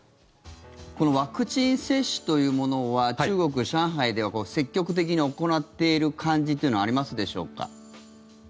このワクチン接種というものは中国・上海では積極的に行っている感じというのはありますでしょうか。